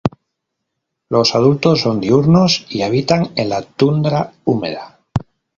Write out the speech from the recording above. Los adultos son diurnos y habitan en la tundra húmeda.